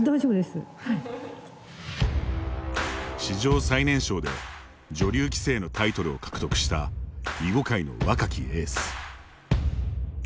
史上最年少で女流棋聖のタイトルを獲得した囲碁界の若きエース。